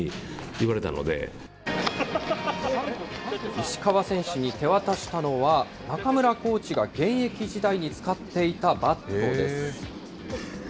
石川選手に手渡したのは、中村コーチが現役時代に使っていたバットです。